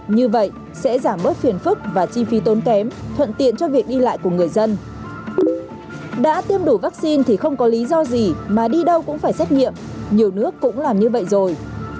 nếu không đủ vaccine thì không có lý do gì mà đi đâu cũng phải xét nghiệm nhiều nước cũng làm như vậy rồi